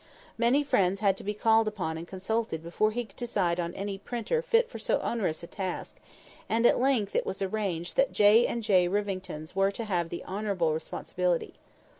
Many friends had to be called upon and consulted before he could decide on any printer fit for so onerous a task; and at length it was arranged that J. and J. Rivingtons were to have the honourable responsibility.